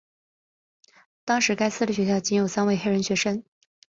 当时该私立学校仅有三位黑人学生。